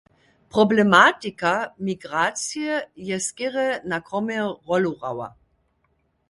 Problematika migracije je skerje na kromje rólu hrała.